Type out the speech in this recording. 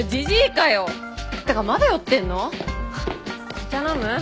お茶飲む？